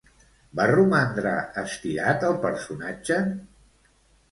Va romandre estirat el personatge?